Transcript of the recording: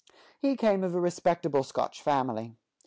He came of a respectable Scotch family.